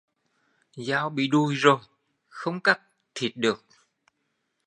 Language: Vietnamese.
Dao bị đùi rồi, không cắt thịt được